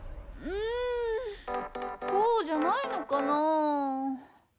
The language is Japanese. うんこうじゃないのかな？